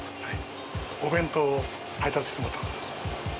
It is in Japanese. お弁当を配達してもらってます。